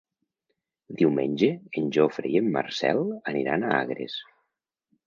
Diumenge en Jofre i en Marcel aniran a Agres.